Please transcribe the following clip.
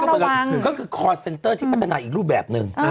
ก็คือคอร์เซ็นเตอร์ที่พัฒนาอีกรูปแบบหนึ่ง